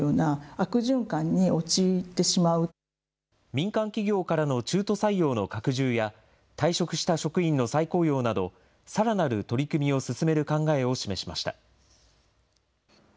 民間企業からの中途採用の拡充や、退職した職員の再雇用など、さらなる取り組みを進める考えを示しました。